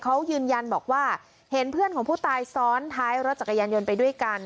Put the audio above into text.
เขายืนยันบอกว่าเห็นเพื่อนของผู้ตายซ้อนท้ายรถจักรยานยนต์ไปด้วยกัน